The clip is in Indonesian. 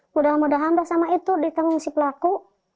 mudah mudahan bahkan sama itu ditanggung si pelaku